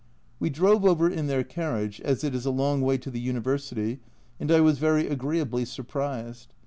We drove over in their carriage, as it is a long way to the University, and I was very agreeably surprised.